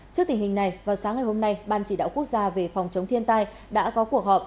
trước tình hình này vào sáng ngày hôm nay ban chỉ đạo quốc gia về phòng chống thiên tai đã có cuộc họp